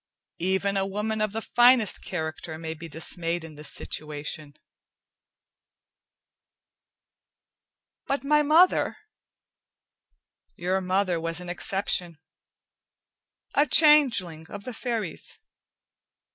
Even a woman of the finest character may be dismayed in this situation." "But my mother " "Your mother was an exception, a changeling of the Fairies.